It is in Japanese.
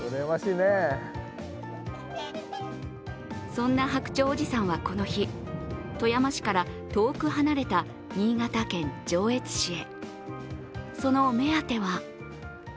そんな白鳥おじさんはこの日、富山市から遠く離れた新潟県上越市へ。